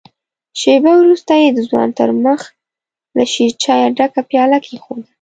شېبه وروسته يې د ځوان تر مخ له شيرچايه ډکه پياله کېښوده.